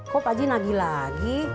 kok pak ji nagih lagi